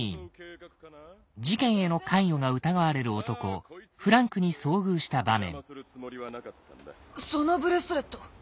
事件への関与が疑われる男フランクに遭遇した場面。